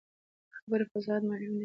د خبرو فصاحت مهم دی